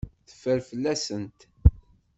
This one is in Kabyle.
Teffer fell-asent.